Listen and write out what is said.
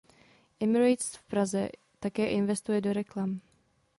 Emirates v Praze také investuje do reklam.